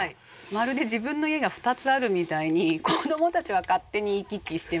まるで自分の家が２つあるみたいに子供たちは勝手に行き来してますね。